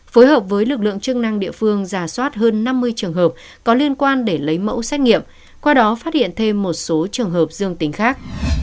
phối hợp với lực lượng chức năng địa phương giả soát hơn năm mươi trường hợp có liên quan để lấy mẫu xét nghiệm qua đó phát hiện thêm một số trường hợp dương tính khác